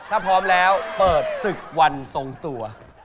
ถ้าพร้อมแล้วเปิดศึกวันทรงตัว